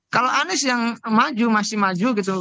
kalau anies yang maju masih maju gitu